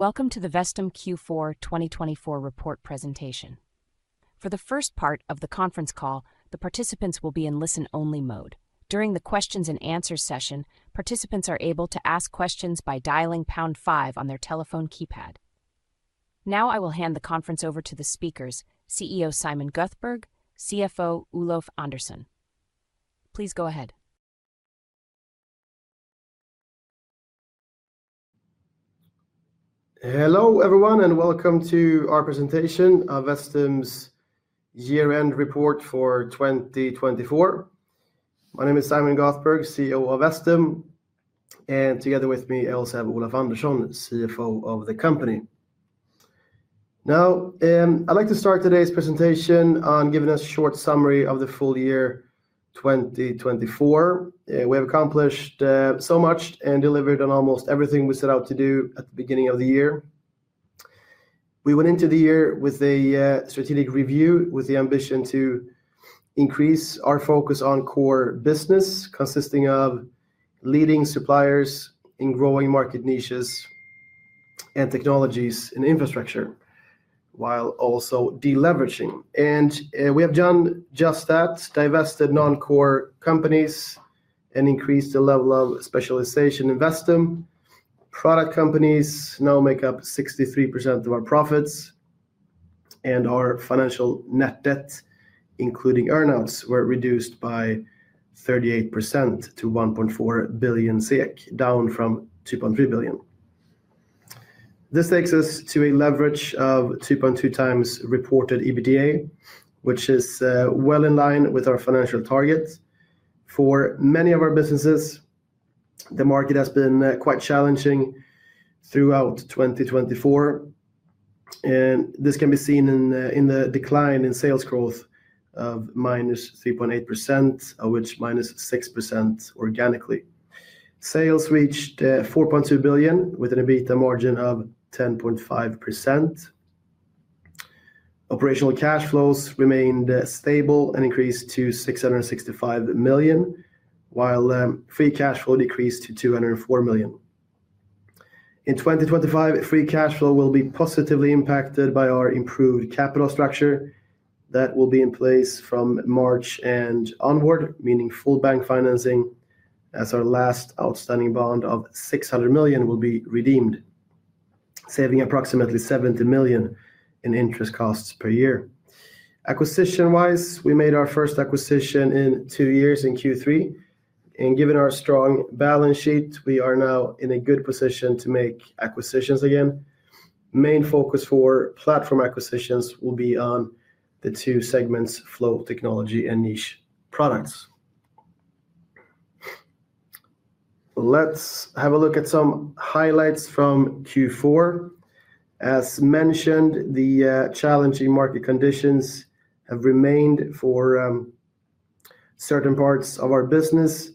Welcome to the Vestum Q4 2024 report presentation. For the first part of the conference call, the participants will be in listen only mode. During the questions and answers session, participants are able to ask questions by dialing 5 on their telephone keypad. Now I will hand the conference over to the speakers. CEO Simon Göthberg, CFO Olof Andersson. Please go ahead. Hello, everyone, and welcome to our presentation Vestum's year-end report for 2024. My name is Simon Göthberg, CEO of Vestum, and together with me I also have Olof Andersson, CFO of the company. Now I'd like to start today's presentation on giving a short summary of the full year 2024. We have accomplished so much and delivered on almost everything we set out to do at the beginning of the year. We went into the year with a strategic review with the ambition to increase our focus on core business consisting of leading suppliers in growing market niches and technologies in Infrastructure while also deleveraging, and we have done just that: divested non-core. Increase the level of specialization in Vestum. Product companies now make up 63% of our profits, and our financial net debt including earnouts were reduced by 38% to 1.4 billion SEK, down from 2.3 billion. This takes us to a leverage of 2.2 times reported EBITDA, which is well in line with our financial target for many of our businesses. The market has been quite challenging throughout 2024 and this can be seen in the decline in sales growth of -3.8%, of which -6% organically. Sales reached 4.2 billion with an EBITDA margin of 10.5%. Operational cash flows remained stable and increased to 665 million while free cash flow decreased to 204 million in 2025. Free cash flow will be positively impacted by our improved capital structure that will be in place from March onward, meaning full bank financing as our last outstanding bond of 600 million will be redeemed, saving approximately 70 million in interest costs per year. Acquisition-wise, we made our first acquisition in two years in Q3 and given our strong balance sheet we are now in a good position to make acquisitions again. Main focus for platform acquisitions will be on the two segments, Flow Technology and Niche Products. Let's have a look at some highlights from Q4. As mentioned, the challenging market conditions have remained for certain parts of our business,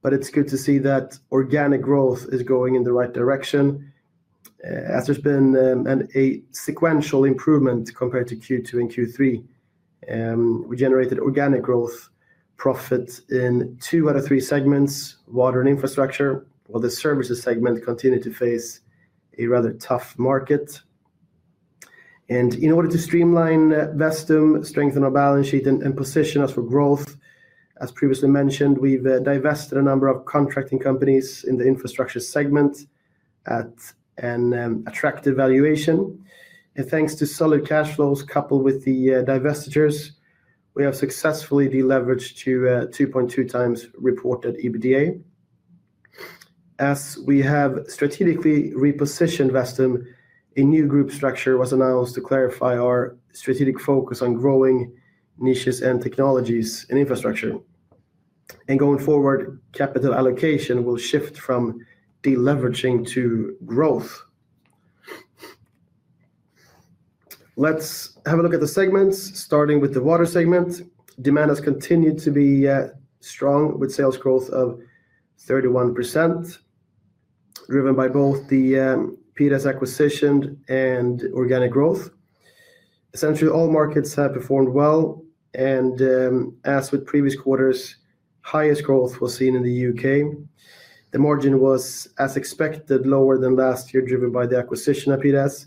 but it's good to see that organic growth is going in the right direction as there's been a sequential improvement compared to Q2 and Q3, we generated organic growth profit in two out of three segments, Water and Infrastructure, while the Services segment continued to face a rather tough market. In order to streamline Vestum, strengthen our balance sheet and position us for growth. As previously mentioned, we've divested a number of contracting companies in the Infrastructure segment at an attractive valuation thanks to solid cash flows. Coupled with the divestitures, we have successfully deleveraged to 2.2 times reported EBITDA. As we have strategically repositioned Vestum, a new group structure was announced to clarify our strategic focus on growing niches and technologies and Infrastructure. Going forward, capital allocation will shift from deleveraging to growth. Let's have a look at the segments. Starting with the Water segment, demand has continued to be strong with sales growth of 31% driven by both the PDAS acquisition and organic growth. Essentially all markets have performed well and as with previous quarters, highest growth was seen in the U.K. The margin was, as expected, lower than last year, driven by the acquisition of PDAS.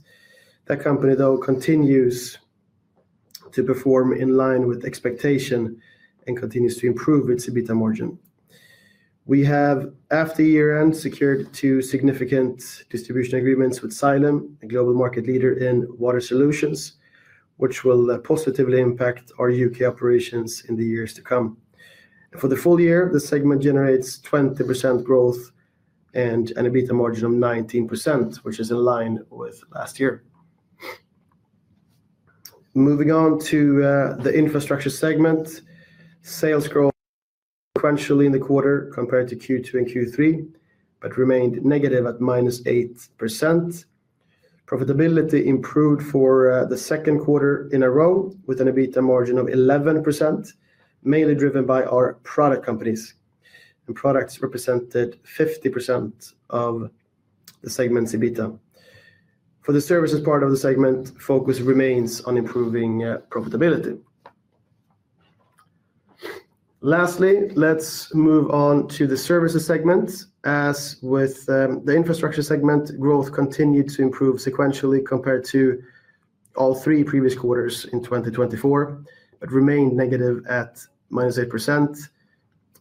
That company though continues to perform in line with expectation and continues to improve its EBITDA margin. We have after year end secured two significant distribution agreements with Xylem, a global market leader in Water solutions, which will positively impact our U.K. operations in the years to come. For the full year, the segment generates 20% growth and an EBITDA margin of 19% which is in line with last year. Moving on to the Infrastructure segment, sales growth sequentially in the quarter compared to Q2 and Q3 but remained negative at -8%. Profitability improved for the second quarter in a row with an EBITDA margin of 11%, mainly driven by our product companies and products represented 50% of the segment's EBITDA. For the Services part of the segment focus remains on improving profitability. Lastly, let's move on to the Services segment. As with the Infrastructure segment, growth continued to improve sequentially compared to all three previous quarters in 2024, but remained negative at -8%.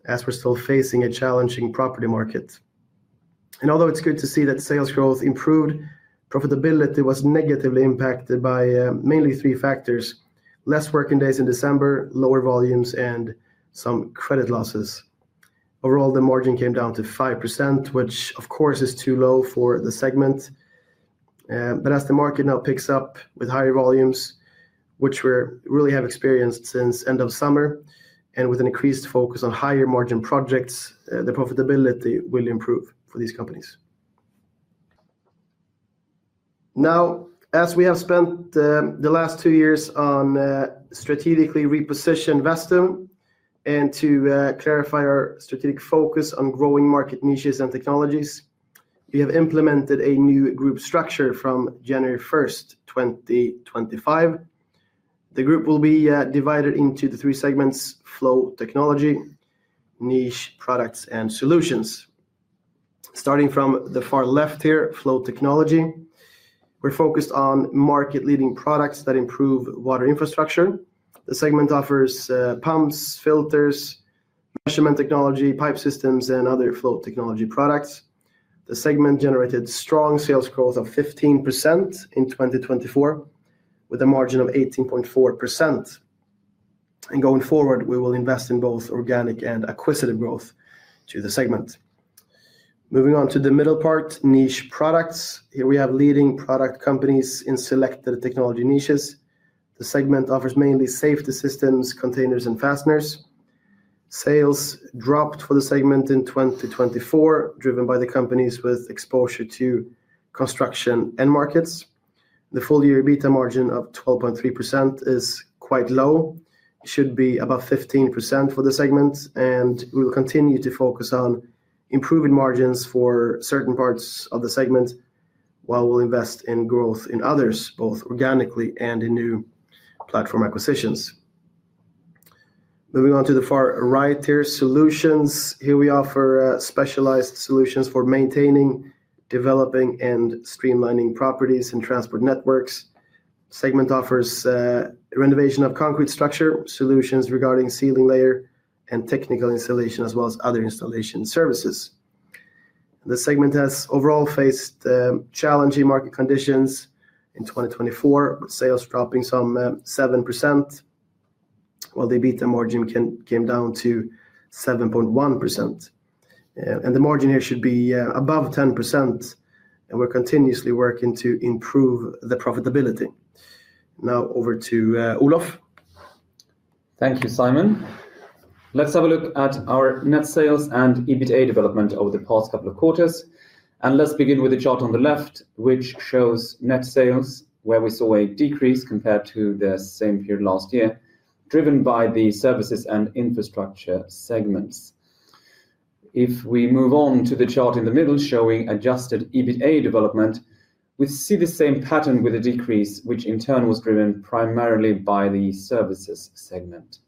As we're still facing a challenging property market and although it's good to see that sales growth improved, profitability was negatively impacted by mainly three factors, less working days in December, lower volumes, and some credit losses. Overall, the margin came down to 5%, which of course is too low for the segment, but as the market now picks up with higher volumes, which we really have experienced since end of summer, and with an increased focus on higher margin projects, the profitability will improve for these companies. Now, as we have spent the last two years on strategically repositioned Vestum and to clarify our strategic focus on growing market niches and technologies. We have implemented a new group structure. From January 1, 2025, the group will be divided into the three segments: Flow Technology, Niche Products and Solutions. Starting from the far left here, Flow Technology. We're focused on market leading products that improve Water Infrastructure. The segment offers pumps, filters, measurement technology, pipe systems and other flow technology products. The segment generated strong sales growth of 15% in 2024 with a margin of 18.4%. And going forward, we will invest in both organic and acquisitive growth to the segment. Moving on to the middle part, Niche Products. Here we have leading product companies in selected technology niches. The segment offers mainly safety systems, containers and fasteners. Sales dropped for the segment in 2024, driven by the companies with exposure to construction end markets. The full year EBITDA margin of 12.3% is quite low, should be above 15% for the segment and we will continue to focus on improving margins for certain parts of the segment, while we'll invest in growth in others, both organically and in new platform acquisitions. Moving on to the far right here, Solutions. Here we offer specialized solutions for maintaining, developing and streamlining properties and transport networks. The segment offers renovation of concrete structure, solutions regarding ceiling layer and technical installation, as well as other installation Services. The segment has overall faced challenging market conditions in 2024 with sales dropping some 7% while the EBITDA margin came down to 7.1% and the margin here should be above 10%, and we're continuously working to improve the profitability. Now over to Olof. Thank you, Simon. Let's have a look at our net sales and EBITDA development over the past couple of quarters. And let's begin with the chart on the left which shows net sales where we saw a decrease compared to the same period last year driven by the Services and Infrastructure segments. If we move on to the chart in the middle showing adjusted EBITDA development, we see the same pattern with a decrease, which in turn was driven primarily by the Services segment.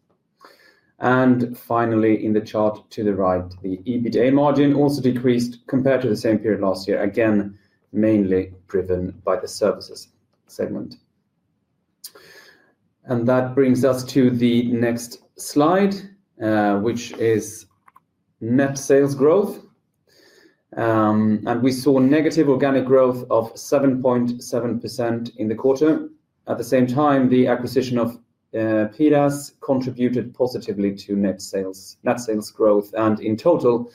And finally, in the chart to the right, the EBITDA margin also decreased compared to the same period last year, again mainly driven by the Services segment. That brings us to the next slide, which is net sales growth. We saw negative organic growth of 7.7% in the quarter. At the same time, the acquisition of PDAS contributed positively to net sales. Net sales growth and in total,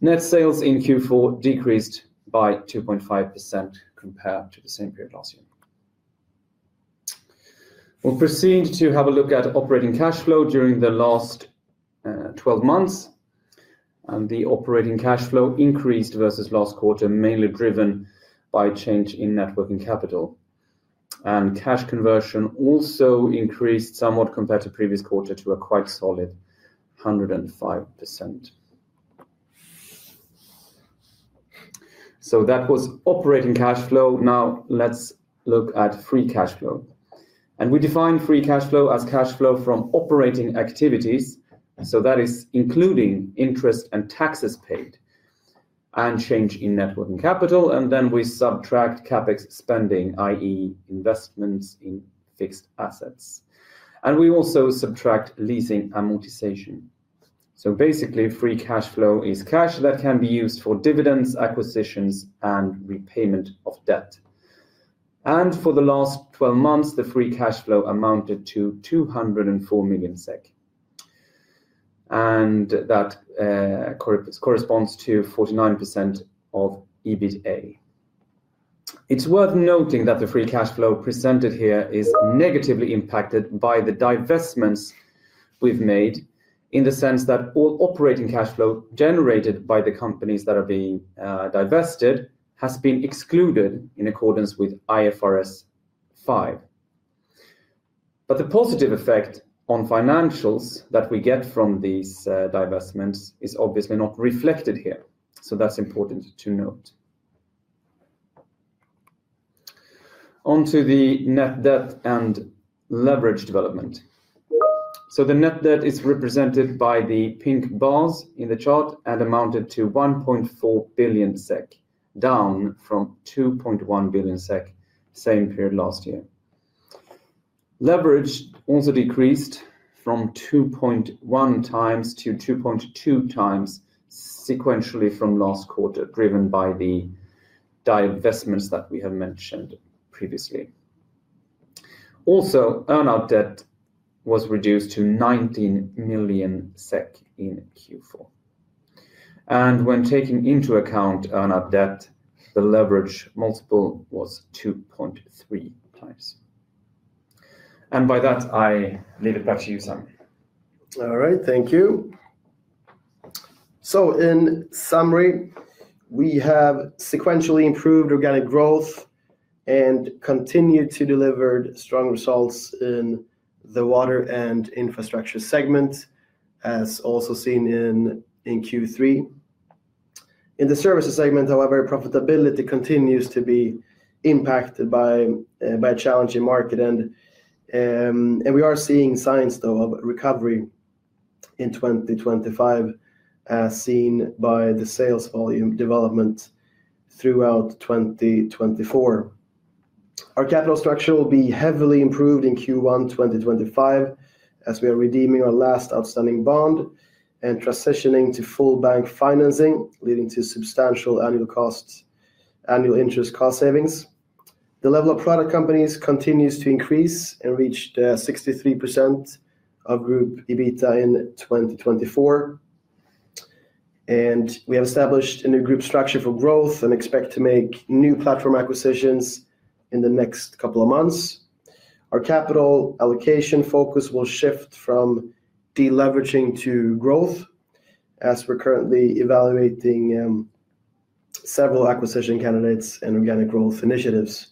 net sales in Q4 decreased by 2.5% compared to the same period last year. We'll proceed to have a look at operating cash flow during the last 12 months and the operating cash flow increased versus last quarter mainly driven by change in net working capital and cash conversion also increased somewhat compared to previous quarter to a quite solid 105%. That was operating cash flow. Now let's look at free cash flow and we define free cash flow as cash flow from operating activities. That is including interest and taxes paid and change in net working capital. And then we subtract Capex spending, i.e., investments in fixed assets and we also subtract leasing amortization. Basically free cash flow is cash that can be used for dividends, acquisitions and repayment of debt. For the last 12 months the free cash flow amounted to 204 million SEK and that corresponds to 49% of EBITDA. It's worth noting that the free cash flow presented here is negatively impacted by the divestments we've made in the sense that all operating cash flow generated by the companies that are being divested has been excluded in accordance with IFRS 5. But the positive effect on financials that we get from these divestments is obviously not reflected here. So that's important to note. Onto the net debt and leverage development, so the net debt is represented by the pink bars in the chart and amounted to 1.4 billion SEK down from 2.1 billion SEK same period last year. Leverage also decreased from 2.1 times to 2.2 times sequentially from last quarter driven by the divestments that we have mentioned previously. Also, earnout debt was reduced to 19 million SEK in Q4, and when taking into account earnout debt the leverage multiple was 2.3 times. And by that, I leave it back to you, Simon. All right, thank you. In summary, we have sequentially improved organic growth and continue to deliver strong results in the Water and Infrastructure segment as also seen in Q3. In the Services segment however, profitability continues to be impacted by challenging market and we are seeing signs though of recovery in 2025 as seen by the sales volume development throughout 2024. Our capital structure will be heavily improved in Q1 2025 as we are redeeming our last outstanding bond and transitioning to full bank financing leading to substantial annual interest cost savings. The level of product companies continues to increase and reached 63% of group EBITDA in 2024. We have established a new group structure for growth and expect to make new platform acquisitions in the next couple of months. Our capital allocation focus will shift from deleveraging to growth as we're currently evaluating. Several acquisition candidates and organic growth initiatives.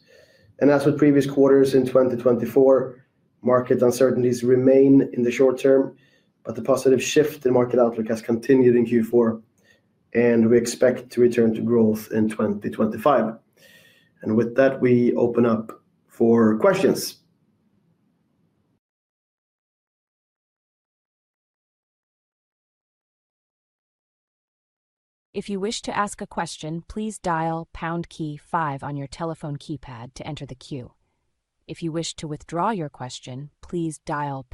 And as with previous quarters in 2024, market uncertainties remain in the short term. But the positive shift in market outlook has continued in Q4 and we expect to return to growth in 2025. And with that we open up for questions. If you wish to ask a question, please dial five on your telephone keypad to enter the queue. If you wish to withdraw your question, please dial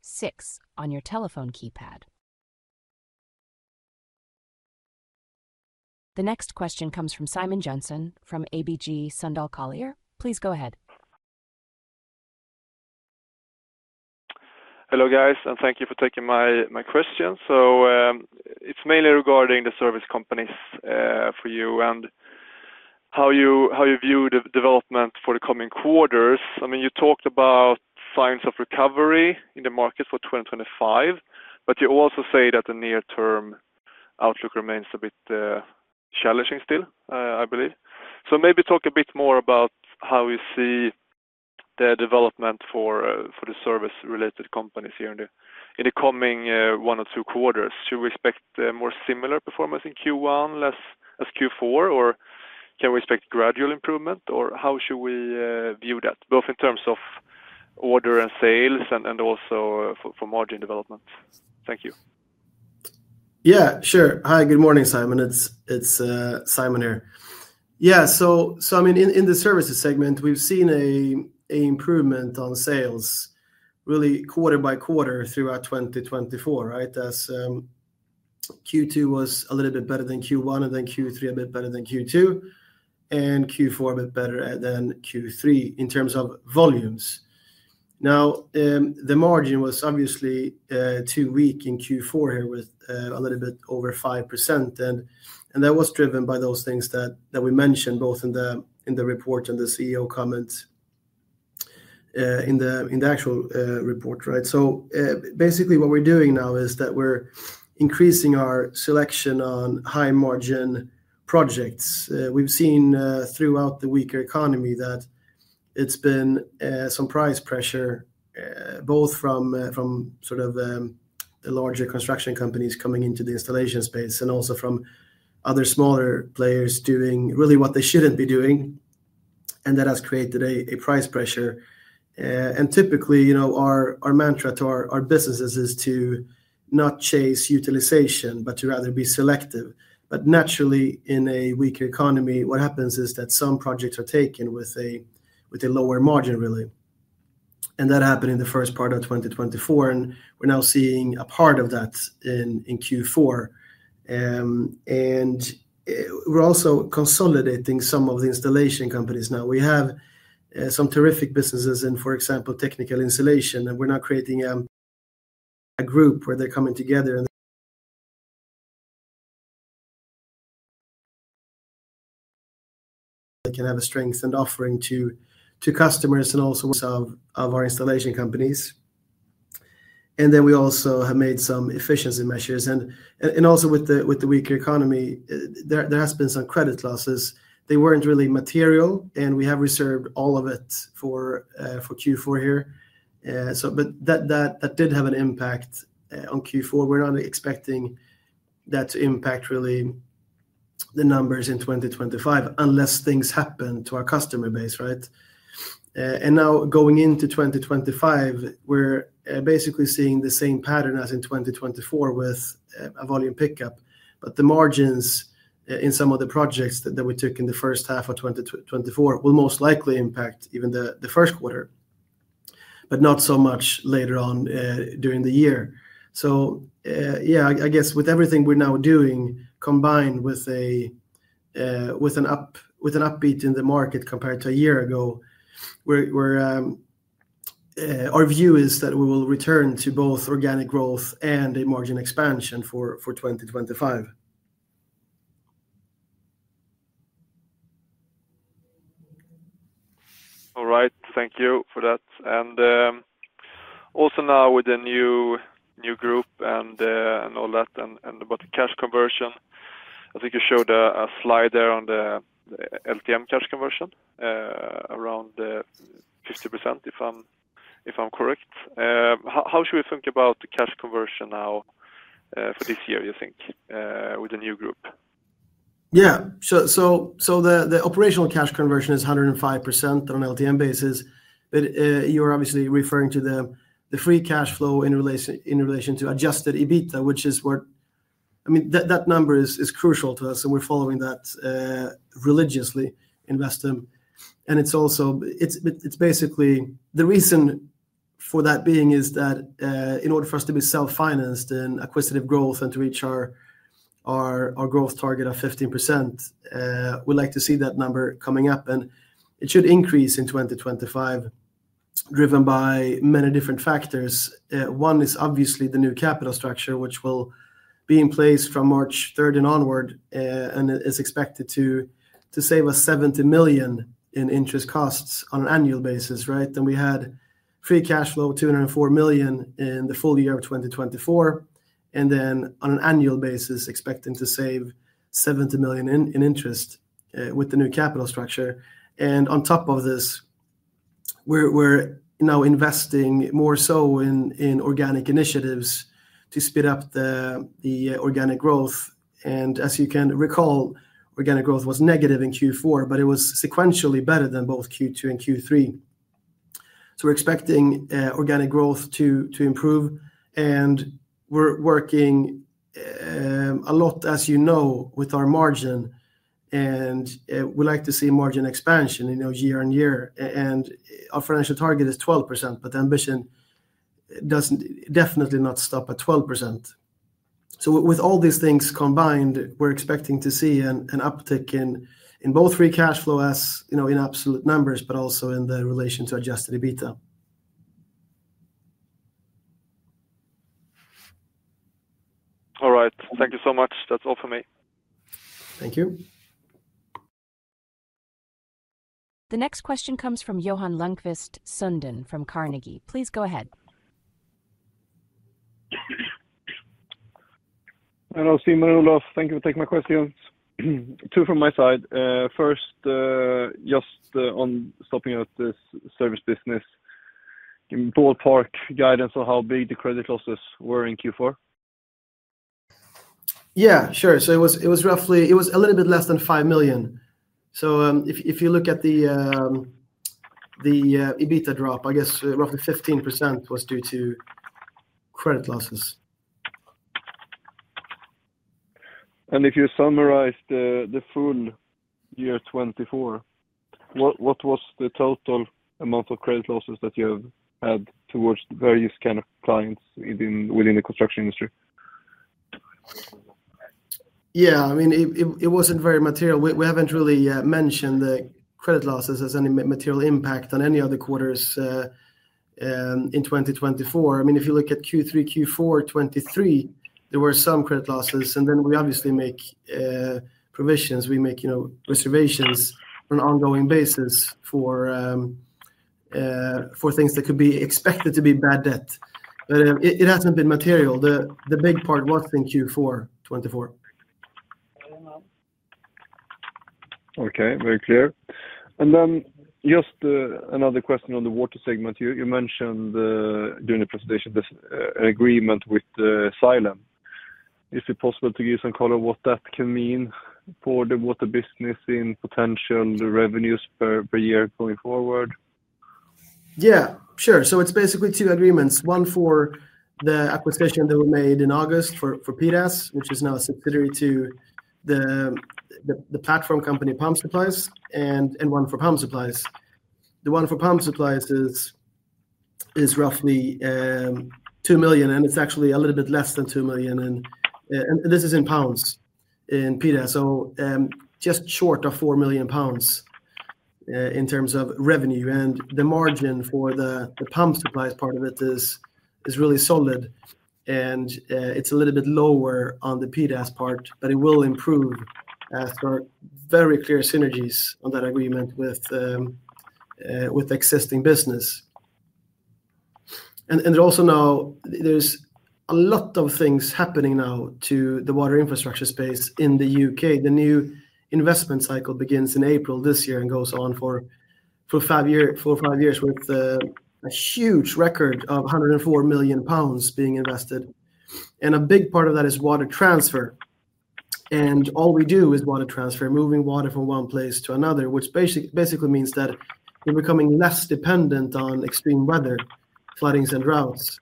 six on your telephone keypad. The next question comes from Simon Jönsson from ABG Sundal Collier. Please go ahead. Hello guys, and thank you for taking my question. So it's mainly regarding the service companies for you and. How you view the development for the coming quarters. I mean, you talked about signs of recovery in the market for 2025, but you also say that the near term outlook remains a bit challenging still, I believe. So maybe talk a bit more about how you see the development for the service related companies here in the coming one or two quarters. Should we expect more similar performance in Q1 less than Q4, or can we expect gradual improvement or how should we view that both in terms of order and sales and also for margin development? Thank you. Yeah, sure. Hi, good morning, Simon. It's Simon here. Yeah, so. So, I mean in the Services segment, we've seen an improvement on sales really quarter by quarter throughout 2024, right. As Q2 was a little bit better than Q1 and then Q3 a bit better than Q2 and Q4 a bit better than Q3 in terms of volumes. Now the margin was obviously too weak in Q4 here with a little bit over 5%. And, and that was driven by those things that we mentioned both in the report and the CEO comments. In the actual report. Right. So basically what we're doing now is that we're increasing our selection on high margin projects. We've seen throughout the weaker economy that it's been some price pressure both from sort of the larger construction companies coming into the installation space and also from other smaller players doing really what they shouldn't be doing. And that has created a price pressure. And typically our mantra to our businesses is to not chase utilization, but to rather be selective. But naturally in a weaker economy, what happens is that some projects are taken with a lower margin, really. And that happened in the first part of 2024. And we're now seeing a part of that in Q4. We're also consolidating some of the installation companies now. We have some terrific businesses in, for example, technical installation. We're not creating a group where they're coming together. They can have a strength and offering to customers and also of our installation companies. And then we also have made some efficiency measures and also with the weaker economy, there has been some credit losses. They weren't really material and we have reserved all of it for Q4 here. But that did have an impact on Q4. We're not expecting that to impact really the numbers in 2025 unless things happen to our customer base. Right. And now going into 2025, we're basically seeing the same pattern as in 2024 with a volume pickup. But the margins in some of the projects that we took in the first half of 2024 will most likely impact even the first quarter but not so much later on during the year. So yeah, I guess with everything we're now doing combined with a. With an uptick in the market compared to a year ago. Our view is that we will return to both organic growth and a margin expansion for 2025. All right, thank you for that. And also now with the new group and all that. And about the cash conversion, I think you showed a slide there on the LTM cash conversion around 50% if I'm correct. How should we think about the cash conversion now for this year you think with the new group? Yeah, so the operational cash conversion is 105% on an LTM basis. But you're obviously referring to the free cash flow in relation to adjusted EBITDA, which is what I mean. That number is crucial to us and we're following that religiously in Vestum. And it's also, it's basically the reason for that being is that in order for us to be self financed and acquisitive growth and to reach our growth target of 15% we'd like to see that number coming up and it should increase in 2025 driven by many different factors. One is obviously the new capital structure which will being placed from March 3 and onward and is expected to save 70 million in interest costs on an annual basis. Then we had free cash flow 204 million in the full year of 2024, and then on an annual basis, expecting to save 70 million in interest with the new capital structure. And on top of this, we're now investing more so in organic initiatives to speed up the organic growth. And as you can recall, organic growth was negative in Q4, but it was sequentially better than both Q2 and Q3. So we're expecting organic growth to improve, and we're working. A lot, as you know, with our margin and we like to see margin expansion year on year and our financial target is 12%. But the ambition. Definitely not stop at 12%. So with all these things combined, we're expecting to see an uptick in both free cash flow as in absolute numbers, but also in the relation to adjusted EBITDA. All right, thank you so much. That's all for me. Thank you. The next question comes from Johan Sundén from Carnegie. Please go ahead. Hello, Simon Göthberg. Thank you for taking my questions. Two from my side. First, just on the Services business, ballpark guidance on how big the credit losses were in Q4. Yeah, sure. So it was roughly a little bit less than five million. So if you look at the. EBITDA drop, I guess roughly 15% was due to credit losses. If you summarize the full year 2024, what was the total amount of credit losses that you have had towards various kind of clients within the construction industry? Yeah, I mean it wasn't very material. We haven't really mentioned the credit losses as any material impact on any other quarters in 2024. I mean, if you look at Q3, Q4 2023, there were some credit losses and then we obviously make provisions, you know, reservations on an ongoing basis for. For things that could be expected to be bad debt. But it hasn't been material. The big part was in Q4 2024. Okay, very clear. And then just another question on the Water segment you mentioned during the presentation, an agreement with Xylem. Is it possible to give some color what that can mean for the Water business in potential revenues per year going forward? Yeah, sure. So it's basically two agreements. One for the acquisition that we made in August for PDAS, which is now a subsidiary to. The platform company Pump Supplies, and one for Pump Supplies. The one for Pump Supplies is roughly 2 million, and it's actually a little bit less than 2 million, and this is in pounds in SEK, so just short of 4 million pounds in terms of revenue, and the margin for the Pump Supplies part of it is really solid, and it's a little bit lower on the PDAS part, but it will improve with very clear synergies on that agreement with existing business. And also now there's a lot of things happening now to the Water Infrastructure space in the U.K. The new investment cycle begins in April this year and goes on for five years. Four or five years with a huge record of 104 million pounds being invested. And a big part of that is Water transfer and all we do is Water transfer, moving Water from one place to another, which basically means that you're becoming less dependent on extreme weather, floodings and droughts.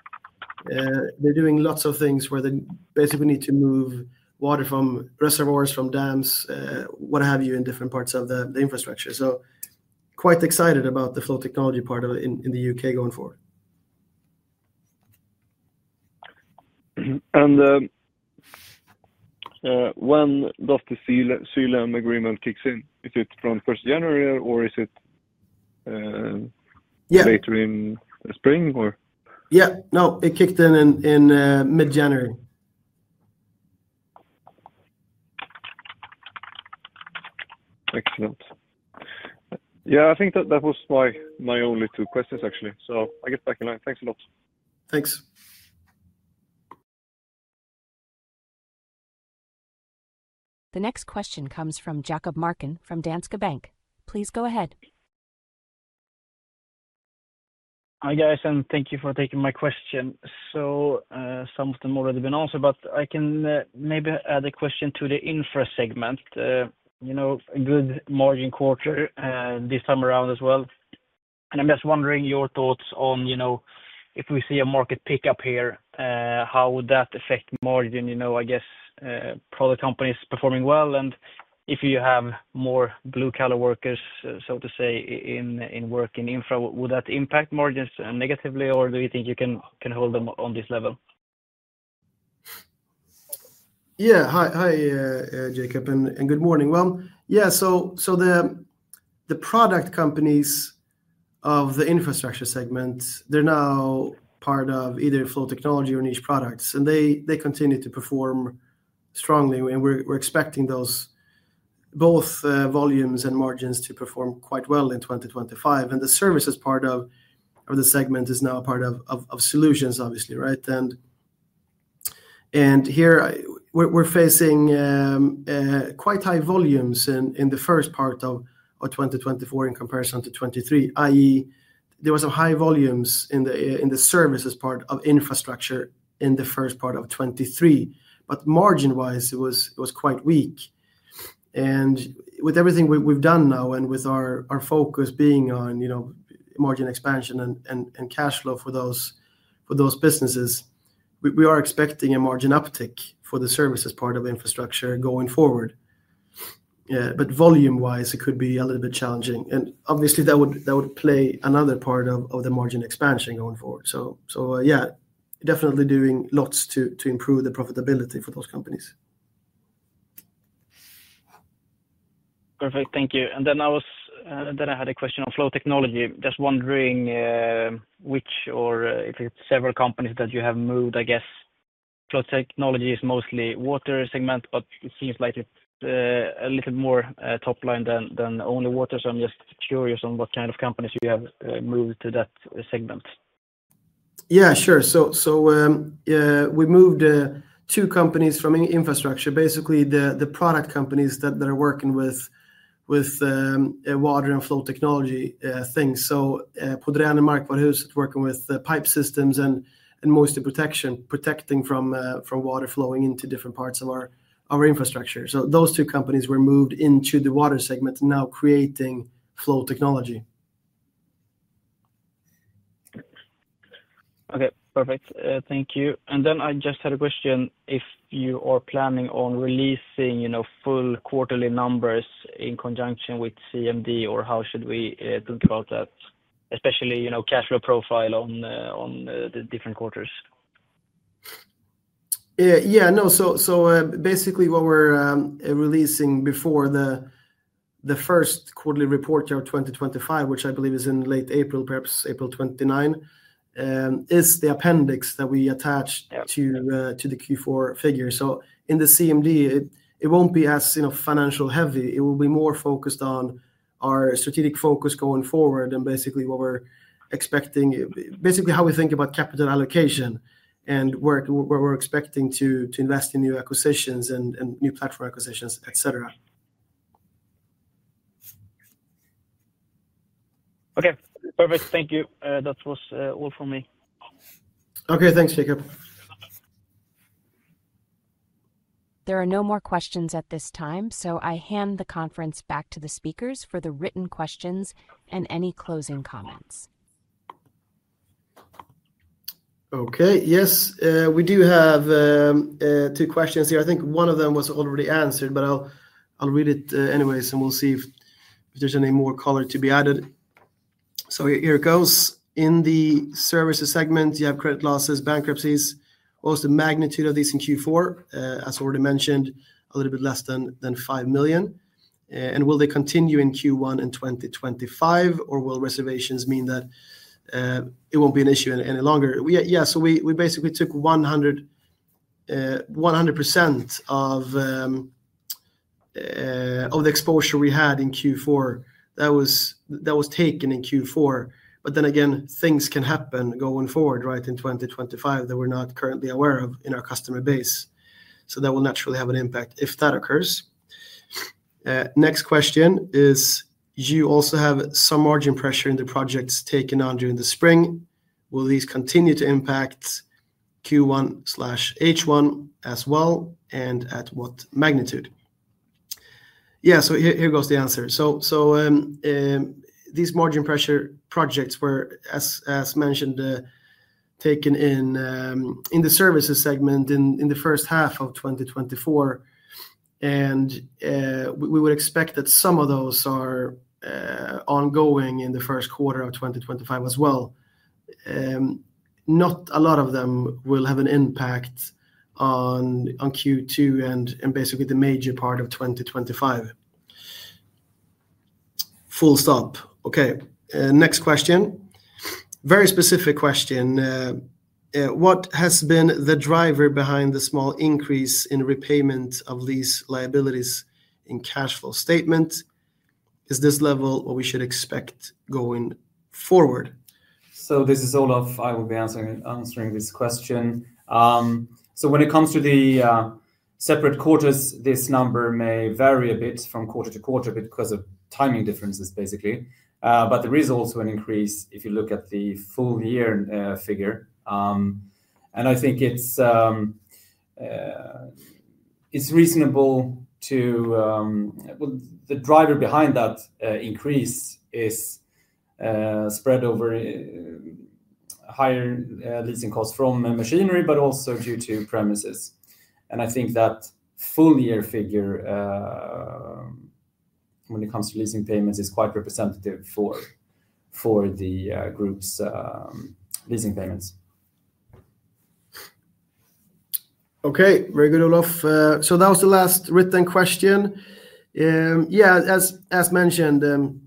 They're doing lots of things where they basically need to move Water from reservoirs, from dams, Water have you in different parts of the Infrastructure. So quite excited about the Flow Technology part of it in the U.K. going forward. And. When the Xylem agreement kicks in, is it from the 1st of January or is it? Later in spring or. Yeah, no, it kicked in in mid January. Excellent. Yeah, I think that was my only two questions actually, so I get back in line. Thanks a lot. Thanks. The next question comes from Jacob Monefeldt from Danske Bank. Please go ahead. Hi, guys, and thank you for taking my question, so some of them already been answered, but I can maybe add question to the infra segment, you know, a good margin quarter this time around as well, and I'm just wondering your thoughts on, you know, if we see a market pickup here, how would that affect margin? You know, I guess product companies performing well, and if you have more blue collar workers, so to say, in working infra, would that impact margins negatively, or do you think you can hold them on this level? Yeah. Hi. Hi Jacob. And good morning. Well, yeah, so the product companies of the Infrastructure segment, they're now part of either Flow Technology or Niche Products and they continue to perform strongly and we're expecting those both volumes and margins to perform quite well in 2025 and the Services segment is now a part of Solutions obviously. Right. And. Here we're facing quite high volumes in the first part of 2024 in comparison to 2023. That is there was high volume in the Services part of Infrastructure in Q1 2023, but margin-wise it was quite weak. With everything we've done now and with our focus being on margin expansion and cash flow for those businesses, we are expecting a margin uptick for the Services part of Infrastructure going forward. Volume-wise it could be a little bit challenging and obviously that would play another part in the margin expansion going forward. Yeah, definitely doing lots to improve the profitability for those companies. Perfect, thank you. I had a question on Flow Technology. Just wondering which or if it's several companies that you have moved. I guess Flow Technology is mostly Water segment but it seems like it's a little more top line than only Water. I'm just curious on what kind of companies you have moved to that segment. Yeah, sure. So we moved to two companies from Infrastructure, basically the product companies that are working with. Water and Flow Technology things. So Pordrän and PDAS working with pipe systems and moisture protection, protecting from Water flowing into different parts of our Infrastructure. So those two companies were moved into the Water segment, now creating Flow Technology. Okay, perfect. Thank you. And then I just had a question. If you are planning on releasing, you know, full quarterly numbers in conjunction with CMD or how should we think about that especially, you know, cash flow profile on the different quarters. Yeah, no, so basically what we're releasing before the first quarterly report year of 2025, which I believe is in late April, perhaps April 29, is the appendix that we attached to the Q4 figure, so in the CMD, it won't be as financial heavy. It will be more focused on our strategic focus going forward and basically what we're expecting, basically how we think about capital allocation and where we're expecting to invest in new acquisitions and new platform acquisitions, etc. Okay, perfect. Thank you. That was all for me. Okay, thanks, Jacob. There are no more questions at this time, so I hand the conference back to the speakers for the written questions and any closing comments. Okay, yes, we do have two questions here. I think one of them was already answered, but I'll read it anyways and we'll see if there's any more color to be added. So here it goes. In the Services segment, you have credit losses, bankruptcies. What's the magnitude of these in Q4? As already mentioned, a little bit less than 5 million. And will they continue in Q1 and 2025 or will reservations mean that it won't be an issue any longer? Yeah, so we basically took 100% of. The exposure we had in Q4 that was taken in Q4. But then again, things can happen going forward, right? In 2025 that we're not currently aware of in our customer base. So that will naturally have an impact if that occurs. Next question is, you also have some margin pressure in the projects taken on during the spring. Will these continue to impact Q1 2025 as well, and at what magnitude? Yeah, so here goes the answer. So these margin pressure projects were, as mentioned, taken in the Services segment in the first half of 2024. And we would expect that some of those are ongoing in the first quarter of 2025 as well. Not a lot of them will have an impact on Q2 and basically the major part of 2025. Full stop. Okay, next question. Very specific question. What has been the driver behind the small increase in repayment of these liabilities in cash flow statement? Is this level what we should expect going forward? I will be answering this question. When it comes to the separate quarters, this number may vary a bit from quarter to quarter because of timing differences, basically, but there is also an increase if you look at the full year figure, and I think it's. It's reasonable that the driver behind that increase is spread over higher leasing costs from machinery, but also due to premises. And I think that full year figure. When it comes to leasing payments, is quite representative for the group's leasing payments. Okay, very good, Olof. So that was the last written question. Yeah. As mentioned,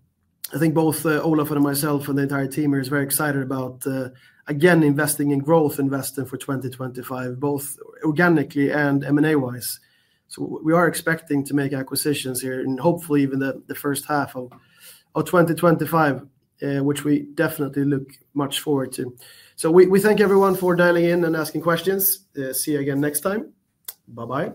I think both Olof and myself and the entire team is very excited about again investing in growth investing for 2025 both organically and M&A wise. So we are expecting to make acquisitions here and hopefully even the first half of 2025, which we definitely look much forward to. So we thank everyone for dialing in and asking questions. See you again next time. Bye bye.